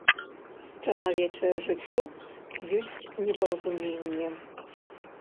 Чалавечае жыццё ёсць непаразуменне.